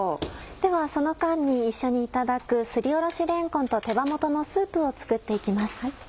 ではその間に一緒にいただくすりおろしれんこんと手羽元のスープを作って行きます。